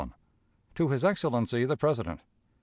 "To his Excellency the President.